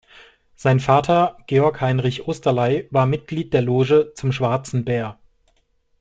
Sein Vater Georg Heinrich Oesterley war Mitglied der Loge "Zum Schwarzen Bär".